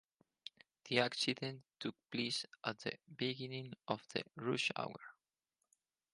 The accident took place at the beginning of the rush hour.